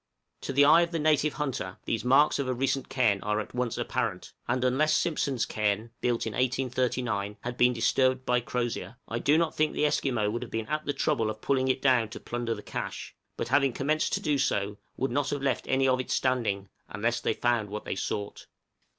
To the eye of the native hunter these marks of a recent cairn are at once apparent: and unless Simpson's cairn (built in 1839) had been disturbed by Crozier, I do not think the Esquimaux would have been at the trouble of pulling it down to plunder the câche; but having commenced to do so, would not have left any of it standing, unless they found what they sought.